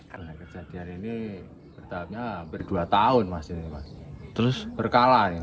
karena kejadian ini bertahapnya hampir dua tahun masih berkala